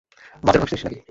বাজার ভাবছিস নাকি?